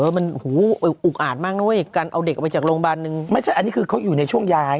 มันหูอุกอาจมากนะเว้ยการเอาเด็กออกไปจากโรงพยาบาลนึงไม่ใช่อันนี้คือเขาอยู่ในช่วงย้าย